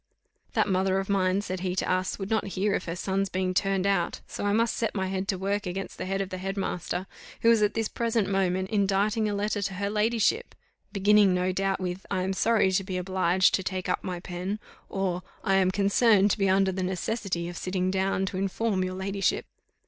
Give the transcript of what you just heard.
"That mother of mine," said he to us, "would not hear of her son's being turned out so I must set my head to work against the head of the head master, who is at this present moment inditing a letter to her ladyship, beginning, no doubt, with, 'I am sorry to be obliged to take up my pen,' or, 'I am concerned to be under the necessity of sitting down to inform your ladyship.